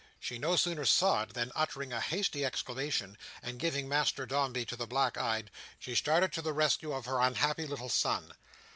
She no sooner saw it than, uttering a hasty exclamation, and giving Master Dombey to the black eyed, she started to the rescue of her unhappy little son.